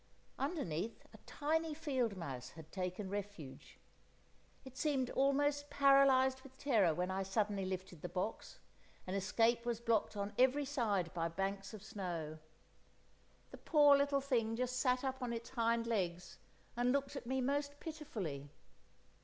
Underneath a tiny field mouse had taken refuge. It seemed almost paralysed with terror when I suddenly lifted the box, and escape was blocked on every side by banks of snow. The poor little thing just sat up on its hind legs and looked at me most pitifully.